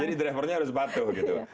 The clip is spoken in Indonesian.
jadi drivernya harus patuh gitu